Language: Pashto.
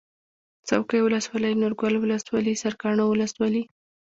څوکۍ ولسوالي نورګل ولسوالي سرکاڼو ولسوالي